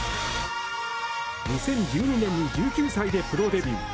２０１２年に１９歳でプロデビュー。